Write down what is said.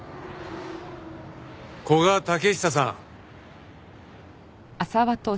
古賀武久さん。